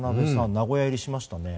名古屋入りしましたね。